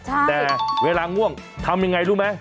แต่เวลาง่วงทำยังไงรู้ไหม